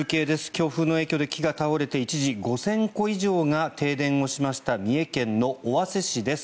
強風の影響で木が倒れて一時、５０００戸以上が停電をしました三重県の尾鷲市です。